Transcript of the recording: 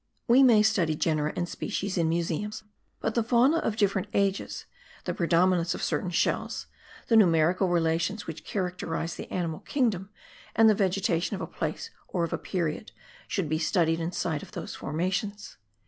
We may study genera and species in museums, but the Fauna of different ages, the predominance of certain shells, the numerical relations which characterize the animal kingdom and the vegetation of a place or of a period, should be studied in sight of those formations.